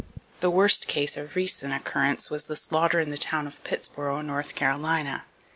The worst case of recent occurrence was the slaughter in the town of Pittsboro, North Carolina.